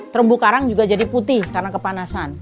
terumbu karang juga jadi putih karena kepanasan